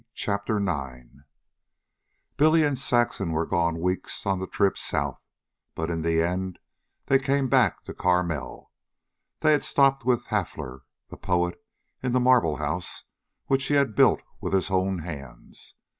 CHAPTER IX Saxon and Billy were gone weeks on the trip south, but in the end they came back to Carmel. They had stopped with Hafler, the poet in the Marble House, which he had built with his own hands.